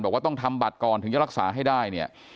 บอกว่าต้องทำบัตรก่อนถึงจะรักษาให้ได้เนี่ย